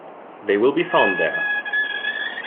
They will be found there.